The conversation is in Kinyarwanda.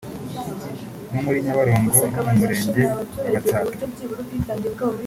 nko muri Nyabugogo no mu Murenge wa Gatsata